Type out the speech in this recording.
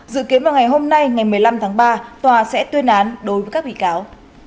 dự kiến vào ngày hôm nay ngày một mươi năm tháng ba tòa sẽ tuyên án đối với các bị cáo